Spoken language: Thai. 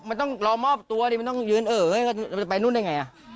มันต้องรอมอบตัวดิมันต้องยืนเออจะไปนู่นได้ไงอ่ะ